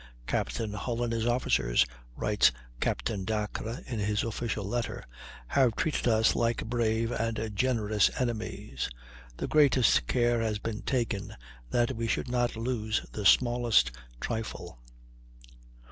"Captain Hull and his officers," writes Captain Dacres in his official letter, "have treated us like brave and generous enemies; the greatest care has been taken that we should not lose the smallest trifle."